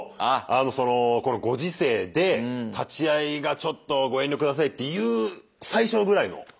あのそのこのご時世で立ち会いがちょっとご遠慮下さいっていう最初ぐらいの。